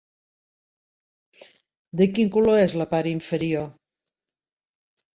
De quin color és la part inferior?